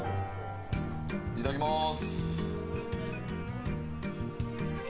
いただきます！